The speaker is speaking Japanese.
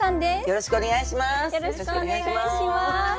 よろしくお願いします。